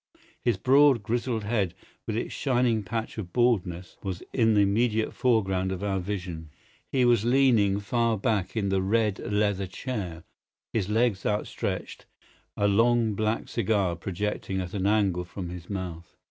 His broad, grizzled head, with its shining patch of baldness, was in the immediate foreground of our vision. He was leaning far back in the red leather chair, his legs outstretched, a long black cigar projecting at an angle from his mouth.